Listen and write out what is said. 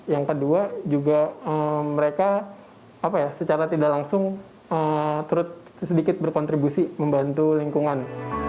yang kedua juga mereka secara tidak langsung terus sedikit berkontribusi membantu lingkungan